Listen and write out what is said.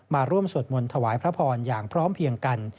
มาร่วมสวดมนต์ถวายพระพรอย่างพร้อมเพียงกัน